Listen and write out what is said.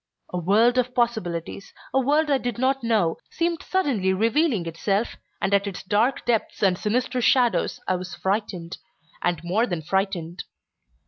A world of possibilities, a world I did not know, seemed suddenly revealing itself, and at its dark depths and sinister shadows I was frightened, and more than frightened.